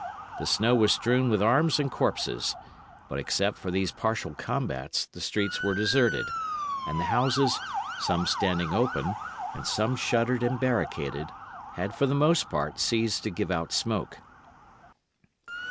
The snow was strewn with arms and corpses; but except for these partial combats the streets were deserted, and the houses, some standing open, and some shuttered and barricaded, had for the most part ceased to give out smoke.